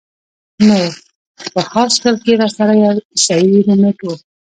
نو پۀ هاسټل کښې راسره يو عيسائي رومېټ وۀ